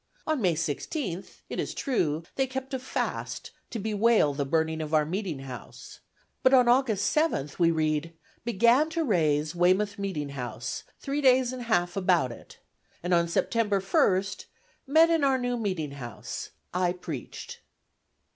On May 16th, it is true, they kept a "Fast, to bewail the burning of our Meeting House": but on August 7th we read: "Began to raise Weymouth Meeting House, 3 days and half about it." And on September 1st: "Met in our New Meeting House. I p(reache)d."